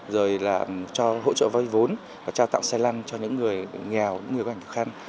rồi là cho hỗ trợ vay vốn và trao tặng xe lăn cho những người nghèo những người có ảnh khó khăn